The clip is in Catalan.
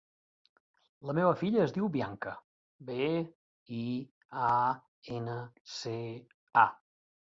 La meva filla es diu Bianca: be, i, a, ena, ce, a.